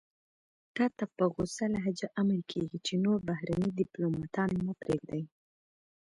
تاته په غوڅه لهجه امر کېږي چې نور بهرني دیپلوماتان مه پرېږدئ.